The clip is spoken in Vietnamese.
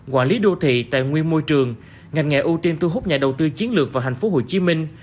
quản lý đô thị tài nguyên môi trường ngành nghệ ưu tiên thu hút nhà đầu tư chiến lược vào thành phố hồ chí minh